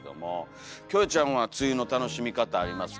キョエちゃんは梅雨の楽しみ方ありますか？